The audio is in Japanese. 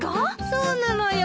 そうなのよ